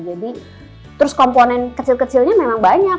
jadi terus komponen kecil kecilnya memang banyak